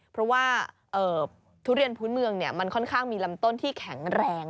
เพราะว่าทุเรียนพื้นเมืองมันค่อนข้างมีลำต้นที่แข็งแรง